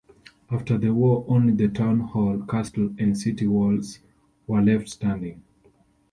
After the war only the town hall, castle and city walls were left standing.